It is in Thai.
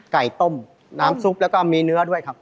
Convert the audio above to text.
ไก่ต้มน้ำซุปแล้วก็มีเนื้อด้วยครับ